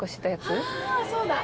そうだ！